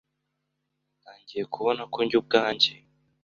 Ntangiye kubona ko njye ubwanjye.